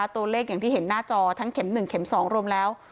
ตัวเลขอย่างที่เห็นหน้าจอทั้งเข็ม๑เข็ม๒รวมแล้ว